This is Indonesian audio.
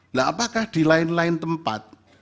nah apakah di lain lain tempat